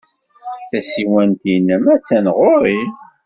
Tasiwant-nnem attan ɣer-i.